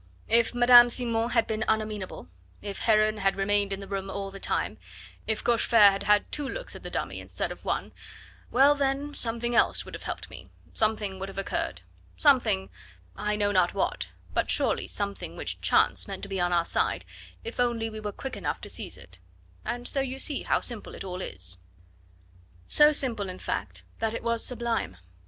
If Madame Simon had been un amenable, if Heron had remained in the room all the time, if Cochefer had had two looks at the dummy instead of one well, then, something else would have helped me, something would have occurred; something I know not what but surely something which Chance meant to be on our side, if only we were quick enough to seize it and so you see how simple it all is." So simple, in fact, that it was sublime.